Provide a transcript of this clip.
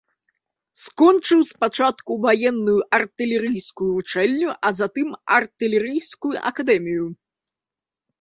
Скончыў спачатку ваенную артылерыйскую вучэльню, а затым артылерыйскую акадэмію.